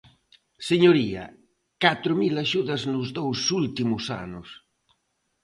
Señoría, catro mil axudas nos dous últimos anos.